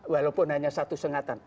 walaupun hanya satu sengatan